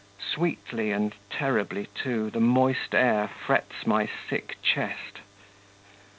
Sweetly and terribly, too, the moist air frets my sick chest.